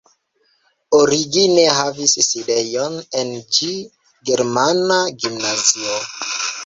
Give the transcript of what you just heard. Origine havis sidejon en ĝi germana gimnazio.